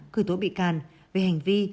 khởi tố bị can về hành vi